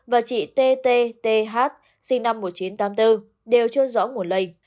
và chị t t t h sinh năm một nghìn chín trăm tám mươi bốn đều chưa rõ nguồn lây